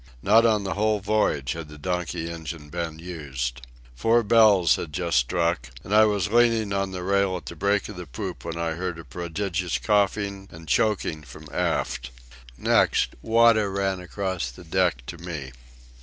Not on the whole voyage had the donkey engine been used. Four bells had just struck, and I was leaning on the rail at the break of the poop when I heard a prodigious coughing and choking from aft. Next, Wada ran across the deck to me.